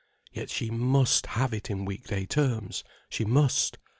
Yet she must have it in weekday terms—she must.